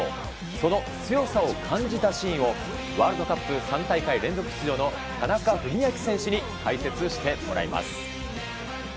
その強さを感じたシーンをワールドカップ３大会連続出場の田中史朗選手に解説してもらいます。